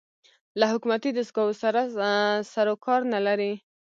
له حکومتي دستګاه سره سر و کار نه لري